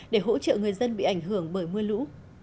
để hỗ trợ người dân bị ảnh hưởng bởi mưa lũ